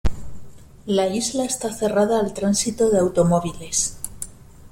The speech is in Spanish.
La isla está cerrada al tránsito de automóviles.